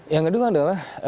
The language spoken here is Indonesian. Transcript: yang kedua adalah